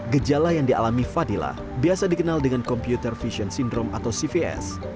gejala yang dialami fadila biasa dikenal dengan computer vision syndrome atau cvs